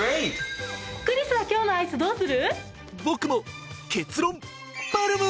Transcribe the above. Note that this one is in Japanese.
クリスは今日のアイスどうする？